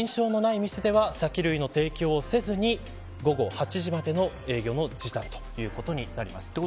認証のない店では酒類の提供をせずに午後８時までの営業の時短ということになります。